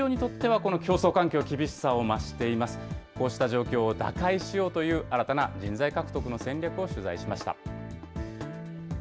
こうした状況を打開しようという新たな人材獲得の戦略を取材しました。